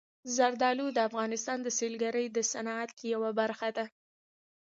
زردالو د افغانستان د سیلګرۍ د صنعت یوه برخه ده.